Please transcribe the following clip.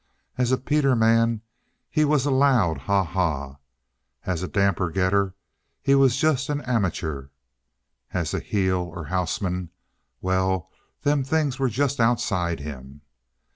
As a peterman he was a loud ha ha; as a damper getter he was just an amateur; as a heel or a houseman, well, them things were just outside him.